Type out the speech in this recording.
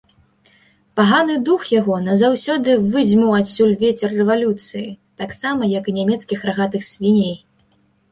Паганы дух яго назаўсёды выдзьмуў адсюль вецер рэвалюцыі, таксама як і нямецкіх рагатых свіней.